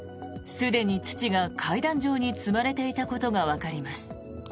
すでに土が階段状に積まれていたことがわかります。